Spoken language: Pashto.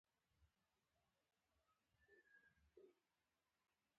سپي د سترګو له لارې هم احساس څرګندوي.